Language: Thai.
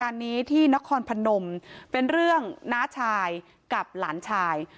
การนี้ที่นครพนมเป็นเรื่องน้าชายกับหลานชาย